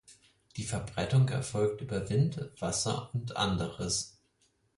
Die Verbreitung erfolgt über Wind, Wasser und anderes.